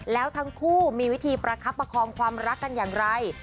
แล้วทั้งคู่มีวิธีประคับประคองความรักกันอย่างไร